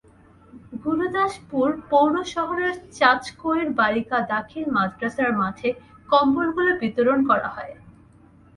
গুরুদাসপুর পৌর শহরের চাঁচকৈড় বালিকা দাখিল মাদ্রাসার মাঠে কম্বলগুলো বিতরণ করা হয়।